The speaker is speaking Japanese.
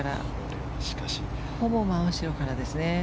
ほぼ真後ろからですね。